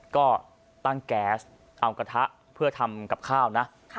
ก็ตั้งแก๊สเอากระทะเพื่อทำกับข้าวนะ